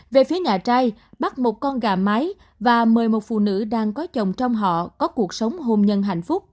về phía nhà trai bắt một con gà mái và một mươi một phụ nữ đang có chồng trong họ có cuộc sống hôn nhân hạnh phúc